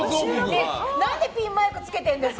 何でピンマイクつけてるんですか。